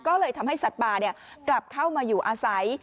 ก็เลยทำให้สัตว์ป่ากลับเข้ามาอยู่อาศัย